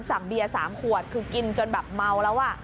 สั่งเบียร์สามขวดกินจนแบบเมาแล้วอะ